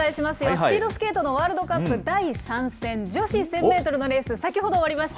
スピードスケートのワールドカップ第３戦、女子１０００メートルのレース、先ほど終わりました。